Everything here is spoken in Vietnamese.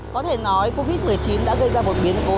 có thể nói covid một mươi chín đã gây ra một biến cố rất lớn